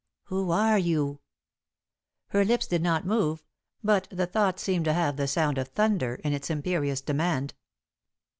"Who are you?" Her lips did not move, but the thought seemed to have the sound of thunder in its imperious demand.